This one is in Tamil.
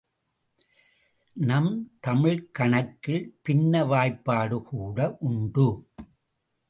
நம் தமிழ்க்கணக்கில் பின்ன வாய்ப்பாடு கூட உண்டு.